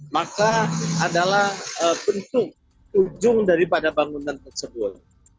maka adalah bentuk ujung dari pada bangunan tersebut